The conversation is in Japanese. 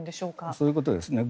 そういうことですね。